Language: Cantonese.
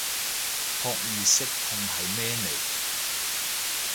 撲熱息痛係咩嚟